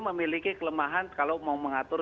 memiliki kelemahan kalau mau mengatur